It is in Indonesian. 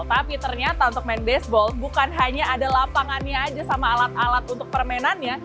tapi ternyata untuk main baseball bukan hanya ada lapangannya aja sama alat alat untuk permainannya